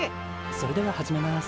それでは始めます。